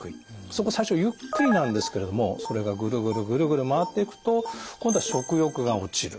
そこ最初ゆっくりなんですけれどもそれがぐるぐるぐるぐる回っていくと今度は食欲が落ちる。